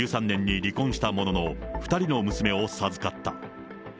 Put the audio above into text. ２０１３年に離婚したものの、２人の娘を授かった。